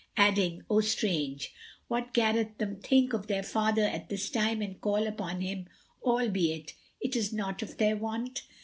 adding, "O Strange! What garreth them think of their father at this time and call upon him, albeit it is not of their wont?"